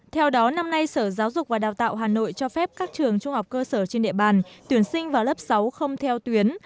theo đó năm nay sở giáo dục và đào tạo hà nội cho phép các trường trung học cơ sở trên địa bàn tuyển sinh vào lớp sáu không theo tuyến